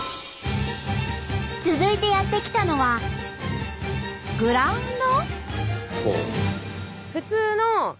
続いてやって来たのはグラウンド？